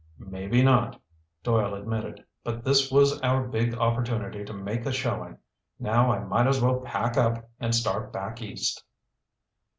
"Maybe not," Doyle admitted, "but this was our big opportunity to make a showing. Now I might as well pack up and start back East!"